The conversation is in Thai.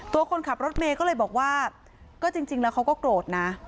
คนขับรถเมย์ก็เลยบอกว่าก็จริงแล้วเขาก็โกรธนะ